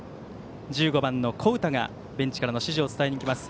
１５番の古宇田がベンチからの指示を伝えます。